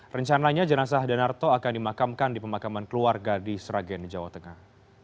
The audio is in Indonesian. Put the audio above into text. rencananya jenazah danarto akan dimakamkan di pemakaman keluarga di sragen jawa tengah